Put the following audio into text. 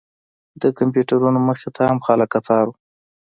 د کمپیوټرونو مخې ته هم خلک کتار و.